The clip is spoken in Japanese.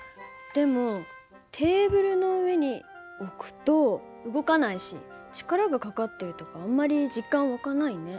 でもテーブルの上に置くと動かないし力がかかってるとかあんまり実感湧かないね。